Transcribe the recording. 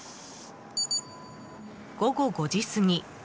午後５時過ぎ。